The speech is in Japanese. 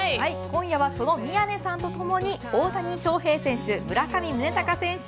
今夜は、その宮根さんとともに大谷翔平選手